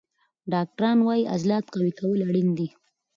ډاکټران وایي عضلات قوي کول اړین دي.